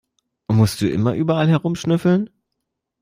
Musst du immer überall herumschnüffeln?